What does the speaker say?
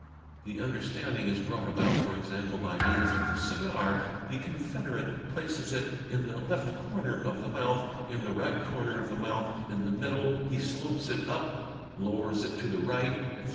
The understanding is brought about 104, 826 CHEATING AND FRAUD for example by means of the cigar; the confederate places it in the left corner of the mouth, in the right corner of the mouth, in the middle, he slopes it up, lowers it to the right, etc.